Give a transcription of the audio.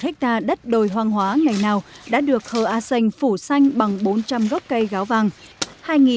diện tích một hectare đất đồi hoang hóa ngày nào đã được hỡ a xanh phủ xanh bằng bốn trăm linh gốc cây gáo vàng